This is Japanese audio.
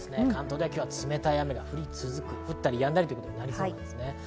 関東では冷たい雨が降り続き、降ったりやんだりになりそうです。